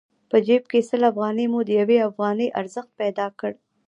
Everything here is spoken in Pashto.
په جېب کې سل افغانۍ مو د يوې افغانۍ ارزښت پيدا کړ.